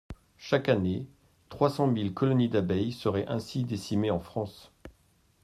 Chaque année, trois cent mille colonies d’abeilles seraient ainsi décimées en France.